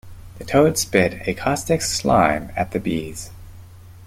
The toad spit a caustic slime at the bees.